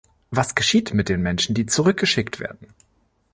Was geschieht mit den Menschen, die zurückgeschickt werden?